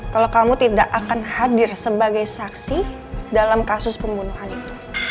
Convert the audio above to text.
kalau kamu tidak akan hadir sebagai saksi dalam kasus pembunuhan itu